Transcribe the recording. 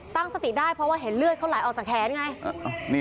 ตั้งสติได้เพราะว่าเห็นเลือดเขาไหลออกจากแขนไง